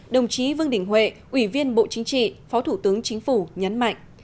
đồng chí vương đình huệ ủy viên bộ chính trị phó thủ tướng chính phủ nhấn mạnh